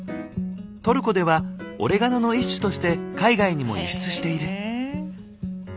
トルコでは「オレガノ」の一種として海外にも輸出している。